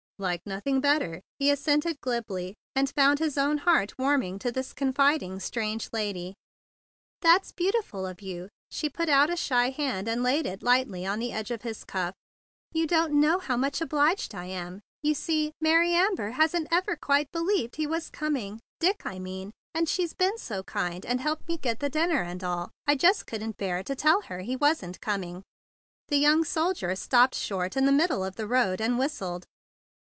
"Like nothing better," he assented glibly, and found his own heart warm¬ ing to this confiding stranger lady. THE BIG BLUE SOLDIER 25 "That's beautiful of you!" She put out a shy hand, and laid it lightly on the edge of his cuff. "You don't know how much obliged I am. You see, Mary Amber hasn't ever quite believed he was coming — Dick, I mean — and she's been so kind, and helped me get the dinner and all. I just couldn't bear to tell her he wasn't coming." The young soldier stopped short in the middle of the road, and whistled.